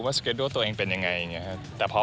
ว่าสเกดูลตัวเองเป็นอย่างไรอย่างนี้ครับ